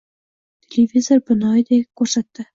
Televizor binoyiday ko‘rsatdi.